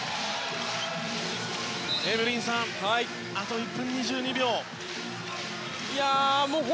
エブリンさんあと１分２２秒です。